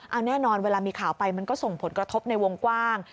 เอาแน่นอนเวลามีข่าวไปมันก็ส่งผลกระทบในวงกว้าง